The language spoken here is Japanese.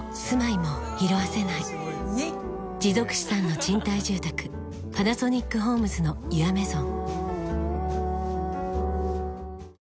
持続資産の賃貸住宅「パナソニックホームズのユアメゾン」